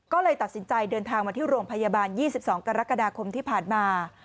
ก็เลยตัดสินใจเดินทางมาที่โรงพยาบาล๒๒กรกฎาคมที่ผ่านมา